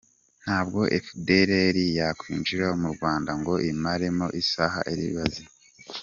Ntabwo efudereri yakwinjira mu Rwanda ngo imaremo isaha ari bazima